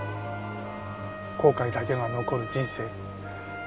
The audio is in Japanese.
後悔だけが残る人生。